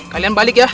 kalian balik ya